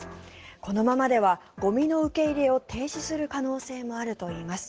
このままではゴミの受け入れを停止する可能性もあるといいます。